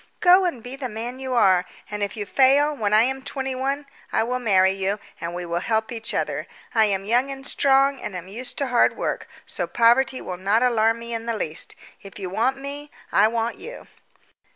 Go and be the man you are; and if you fail, when I am twenty one I will marry you, and we will help each other. I am young and strong, and am used to hard work, so poverty will not alarm me in the least. If you want me, I want you.